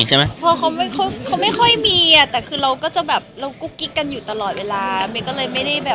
จึงแล้วเป็นการเปิดตัวครั้งแรกเลย